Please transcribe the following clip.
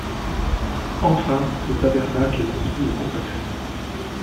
Enfin, le tabernacle est construit et consacré.